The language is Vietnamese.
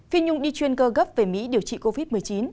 phi nhung đi chuyên cơ gấp về mỹ điều trị covid một mươi chín